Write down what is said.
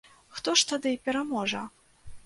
Хто ж тады пераможа?